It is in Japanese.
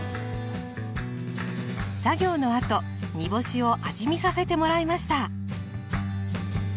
作業のあと煮干しを味見させてもらいました。